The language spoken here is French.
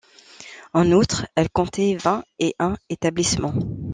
En outre, elle comptait vingt-et-un établissements.